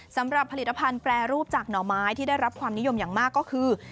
สำหรับผลิตภัณฑ์แปรรูปจากหน่อไม้ที่ได้รับความนิยมอย่างมากก็คือ